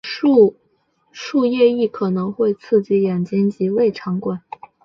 树液亦可能会刺激眼睛及胃肠管。